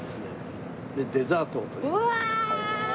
うわ！